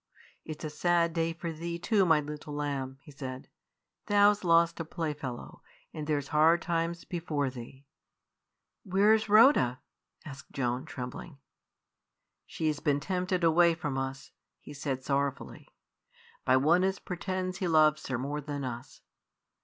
"It's a sad day for thee, too, my little lamb," he said; "thou 's lost thy playfellow, and there's hard times before thee." "Where's Rhoda?" asked Joan, trembling. "She's been tempted away from us," he said sorrowfully, "by one as pretends he loves her more than us.